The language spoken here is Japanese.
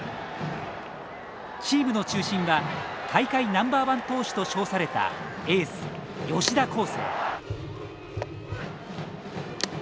チームの中心は大会ナンバーワン投手と称されたエース吉田輝星。